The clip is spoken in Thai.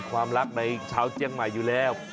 ก็อย่าขอโทษเลยอยู่แล้ว